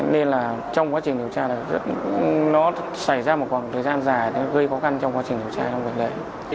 nên là trong quá trình điều tra nó xảy ra một khoảng thời gian dài gây khó khăn trong quá trình điều tra trong vận đề